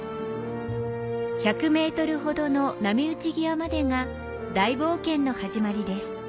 １００ｍほどの波打ち際までが大冒険の始まりです。